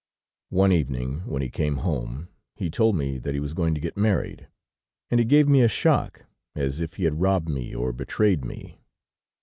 "One evening when he came home, he told me that he was going to get married, and it gave me a shock as if he had robbed me or betrayed me.